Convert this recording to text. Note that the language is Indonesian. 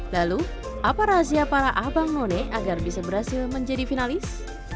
lalu apa rahasia para abang none agar bisa berhasil menjadi finalis